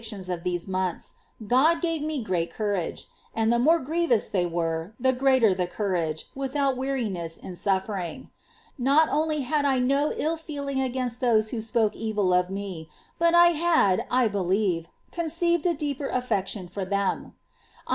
389 tions of these months/ God gave me great courage; and the more grievous they were, the greater the courage, without weari ness in suffering. Not only had I no ill feeling against those who spoke evil of me, but I had, I believe, conceived a deeper affection for them.